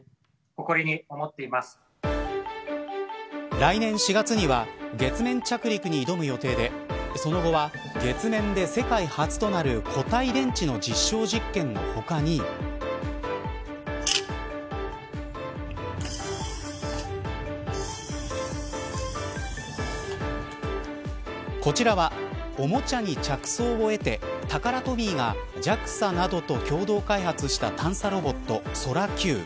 来年４月には月面着陸に挑む予定でその後は月面で世界初となる固体電池の実証実験の他にこちらは、おもちゃに着想を得てタカラトミーがＪＡＸＡなどと共同開発した探査ロボット、ＳＯＲＡ‐Ｑ。